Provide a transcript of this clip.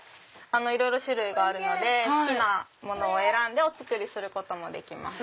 いろいろ種類があるので好きなものを選んでお作りすることもできます。